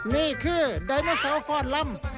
นี่คือดัยโนเซลฟอร์ดร่ำ